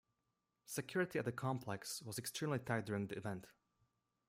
Security at the complex was extremely tight during the event.